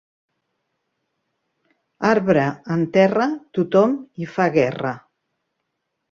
Arbre en terra, tothom hi fa guerra